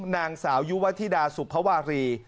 นางสาวยุวธิดาสุภวารี